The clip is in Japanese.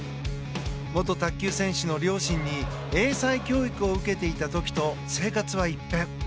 元卓球選手の両親に、英才教育を受けていた時と生活は一変。